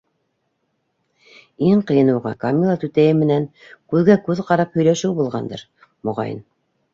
Иң ҡыйыны уға Камила түтәйе менән күҙгә-күҙ ҡарап һөйләшеү булғандыр, моғайын.